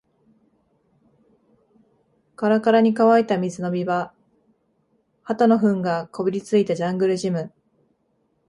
カラカラに乾いた水飲み場、鳩の糞がこびりついたジャングルジム